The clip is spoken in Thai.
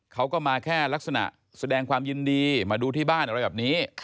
เขาก็มาแค่ลักษณะแสดงความยินดีมาดูที่บ้านอะไรแบบนี้